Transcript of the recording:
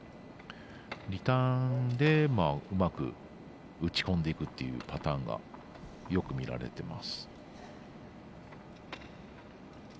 リターンでうまく打ち込んでいくというパターンがよく見られてます。